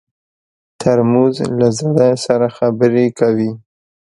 ترموز له زړه سره خبرې کوي.